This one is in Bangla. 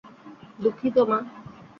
দুঃখিত, মা!